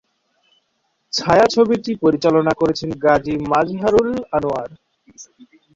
ছায়াছবিটি পরিচালনা করেছেন গাজী মাজহারুল আনোয়ার।